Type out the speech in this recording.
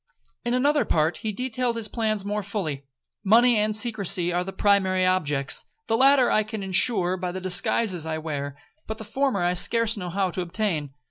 'In another part he detailed his plans more fully. 'Money and secrecy are the primary objects,—the latter I can insure by the disguises I wear, but the former I scarce know how to obtain.